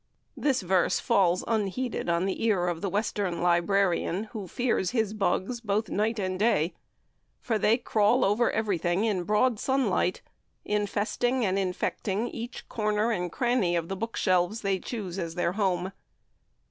This verse falls unheeded on the ear of the Western librarian who fears his "bugs" both night and day, for they crawl over everything in broad sunlight, infesting and infecting each corner and cranny of the bookshelves they choose as their home.